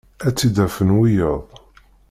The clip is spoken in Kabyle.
Ad tt-id-afen wiyaḍ.